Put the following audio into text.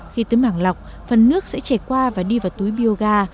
khi tứ mảng lọc phần nước sẽ chảy qua và đi vào túi bioga